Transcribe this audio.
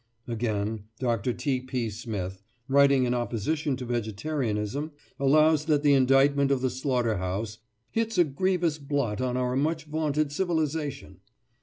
" Again, Dr. T. P. Smith, writing in opposition to vegetarianism, allows that the indictment of the slaughter house "hits a grievous blot on our much vaunted civilization."